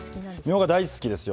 みょうが大好きですよ。